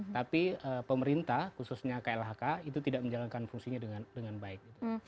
tapi pemerintah khususnya klhk itu tidak menjalankan fungsinya dengan baik